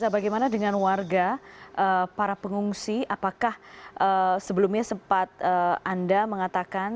bagaimana dengan warga para pengungsi apakah sebelumnya sempat anda mengatakan